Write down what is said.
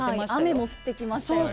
雨も降ってきましたよね。